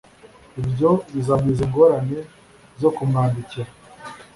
ibyo bizankiza ingorane zo kumwandikira.